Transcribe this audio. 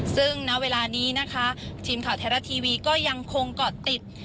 ซึ่งในเวลานี้ทีมข่าวแทรกทีวีก็ยังคงเกาะติด